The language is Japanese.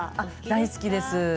大好きです。